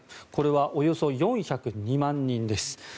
これはおよそ４０２万人です。